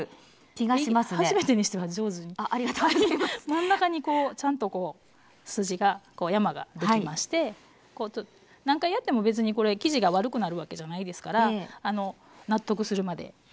真ん中にこうちゃんと筋が山ができまして何回やっても別にこれ生地が悪くなるわけじゃないですから納得するまでいい形に。